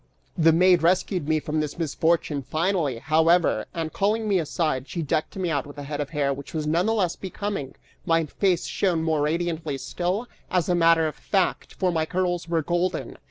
The maid rescued me from this misfortune finally, however, and calling me aside, she decked me out with a head of hair which was none the less becoming; my face shone more radiantly still, as a matter of fact, for my curls were golden!